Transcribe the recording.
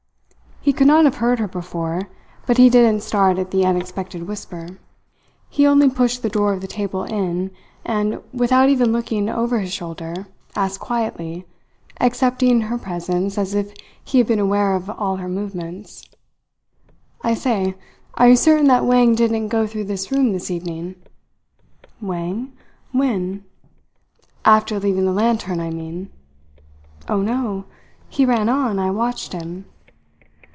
He could not have heard her before; but he didn't start at the unexpected whisper. He only pushed the drawer of the table in and, without even looking over his shoulder, asked quietly, accepting her presence as if he had been aware of all her movements: "I say, are you certain that Wang didn't go through this room this evening?" "Wang? When?" "After leaving the lantern, I mean." "Oh, no. He ran on. I watched him."